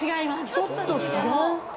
ちょっと違う？